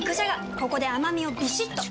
ここで甘みをビシッと！